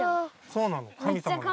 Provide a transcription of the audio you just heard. そうなの神様なの。